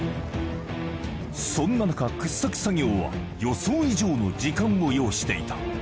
そんな中掘削作業は予想以上の時間を要していた